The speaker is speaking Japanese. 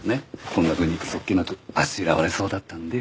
こんなふうに素っ気なくあしらわれそうだったんで。